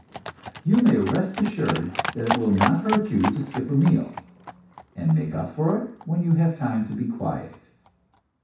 You may rest assured that it will not hurt you to skip a meal, and make up for it when you have time to be quiet.